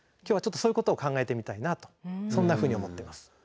今日はちょっとそういうことを考えてみたいなとそんなふうに思ってます。